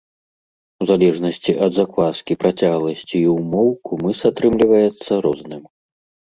У залежнасці ад закваскі, працягласці і ўмоў кумыс атрымліваецца розным.